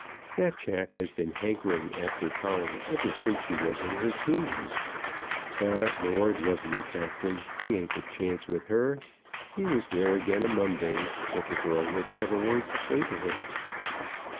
That chap has been hankering after Polly ever since she was in her teens. But, Lord love you, Captain, he ain't a chance with her. He was there again o' Monday, but the girl wouldn't have a word to say to him."